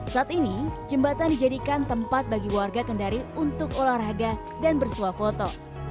saat ini jembatan dijadikan tempat bagi warga kendari untuk olahraga dan bersuah foto